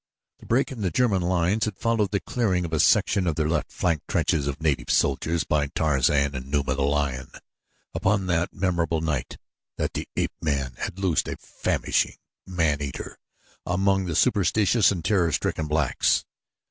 The break in the German lines had followed the clearing of a section of their left flank trenches of native soldiers by Tarzan and Numa, the lion, upon that memorable night that the ape man had loosed a famishing man eater among the superstitious and terror stricken blacks.